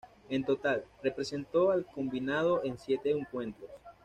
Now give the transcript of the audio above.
En total, representó al combinado en siete encuentros.